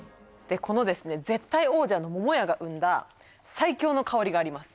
でこのですね絶対王者の桃屋が生んだ最強の香りがあります